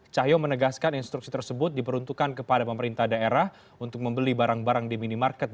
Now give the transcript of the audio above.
cahyo menegaskan instruksi tersebut diperuntukkan kepada pemerintah daerah untuk membeli barang barang di minimarket